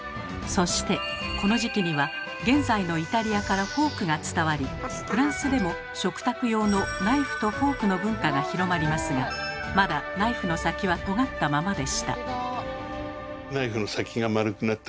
そしてこの時期には現在のイタリアからフォークが伝わりフランスでも食卓用のナイフとフォークの文化が広まりますがまだナイフの先はとがったままでした。